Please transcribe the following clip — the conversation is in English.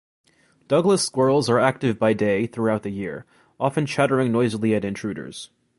Douglas squirrels are active by day, throughout the year, often chattering noisily at intruders.